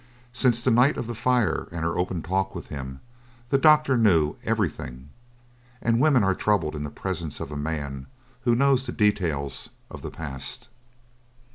Since the night of the fire and her open talk with him, the doctor knew "everything," and women are troubled in the presence of a man who knows the details of the past.